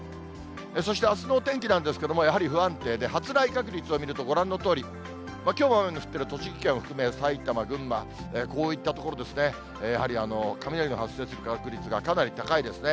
そしてあすのお天気なんですけども、やはり不安定で、発雷確率を見ると、ご覧のとおり、きょうも雨の降ってる栃木県を含め、埼玉、群馬、こういった所ですね、やはり雷の発生する確率がかなり高いですね。